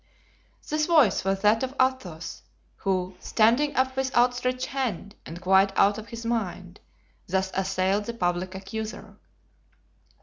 This voice was that of Athos, who, standing up with outstretched hand and quite out of his mind, thus assailed the public accuser.